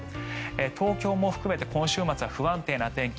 東京も含めて今週末は不安定な天気。